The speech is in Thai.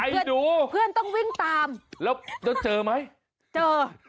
ไอ้ดูแล้วเจอไหมเจอ